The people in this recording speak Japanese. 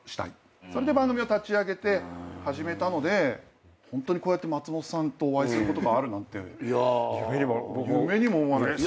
それで番組を立ち上げて始めたのでこうやって松本さんとお会いすることがあるなんて夢にも思わなかった。